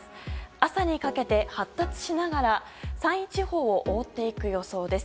朝にかけて発達しながら山陰地方を覆っていく予報です。